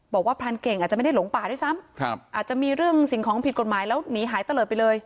พรานเก่งอาจจะไม่ได้หลงป่าด้วยซ้ำอาจจะมีเรื่องสิ่งของผิดกฎหมายแล้วหนีหายตะเลิศไปเลย